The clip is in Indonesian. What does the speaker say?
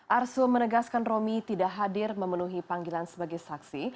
arsul menegaskan romi tidak hadir memenuhi panggilan sebagai saksi